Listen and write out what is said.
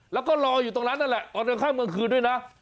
แล้วก็รออยู่ตรงนั้นนั่นแหละตอนกลางข้ามกลางคืนด้วยนะ